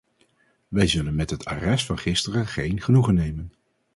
Wij zullen met het arrest van gisteren geen genoegen nemen.